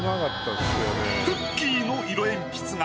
くっきー！の色鉛筆画